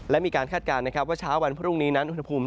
และมีการคาดการณ์ว่าเช้าวันพรุ่งนี้อุณหภูมิ